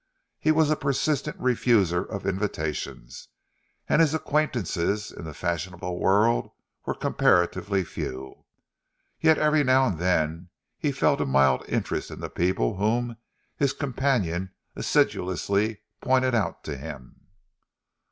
He was a persistent refuser of invitations, and his acquaintances in the fashionable world were comparatively few. Yet every now and then he felt a mild interest in the people whom his companion assiduously pointed out to him.